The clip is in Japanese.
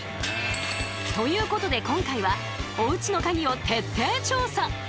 ということで今回はおうちのカギを徹底調査！